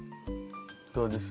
どうです？